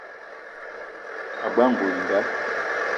Ag͡bela ngoul i nda.